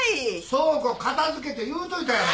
倉庫片付けて言うといたやろ。